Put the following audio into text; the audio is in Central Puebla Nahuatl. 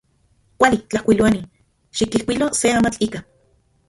Kuali. Tlajkuiloani, xikijkuilo se amatl ika.